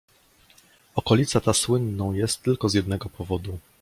"Okolica ta słynną jest tylko z jednego powodu."